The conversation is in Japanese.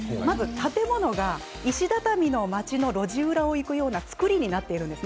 建物が石畳の街の路地裏のような造りになっています。